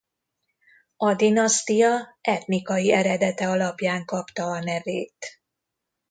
A dinasztia etnikai eredete alapján kapta a nevét.